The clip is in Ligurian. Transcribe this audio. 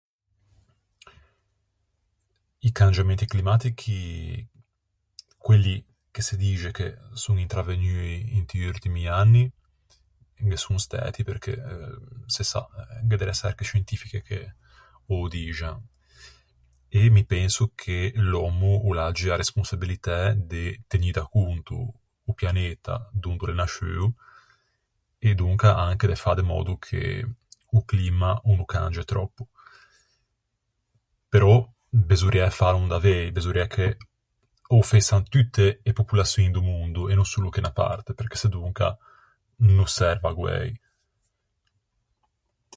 I cangiamenti climatichi, quelli che se dixe che son intravegnui inti urtimi anni, ghe son stæti, perché se sa, gh'é de reçerche scientifiche che ô dixan. E mi penso che l'òmmo o l'agge a responsabilitæ de tegnî da conto o pianeta dond'o l'é nasciuo e donca anche de fâ de mòddo che o climma o no cange tròppo. Però besorriæ fâlo in davei, besorriæ che ô fessan tutte e popolaçioin do mondo, e no solo che unna parte, perché sedonca o no serve à guæi.